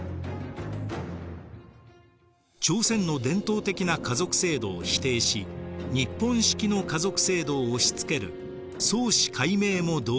朝鮮の伝統的な家族制度を否定し日本式の家族制度を押しつける創氏改名も導入されました。